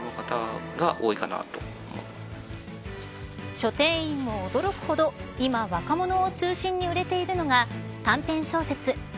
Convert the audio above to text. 書店員も驚くほど今、若者を中心に売れているのが短編小説＃